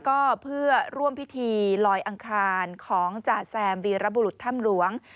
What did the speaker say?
ก็เพื่อร่วมพิธีลอยอังคารของจ่าแซมวีรบุรุษถ้ำหลวง